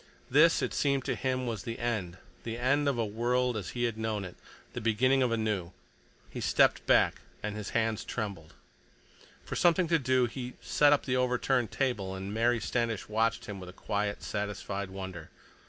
This, it seemed to him, was the end, the end of a world as he had known it, the beginning of a new. He stepped back, and his hands trembled. For something to do he set up the overturned table, and Mary Standish watched him with a quiet, satisfied wonder.